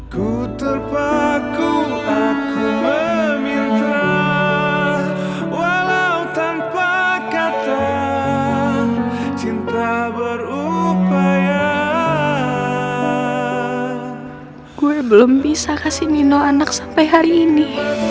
gue belum bisa kasih nino anak sampai hari ini